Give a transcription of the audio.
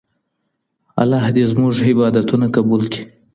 الله دې زموږ عبادتونه قبول کړي.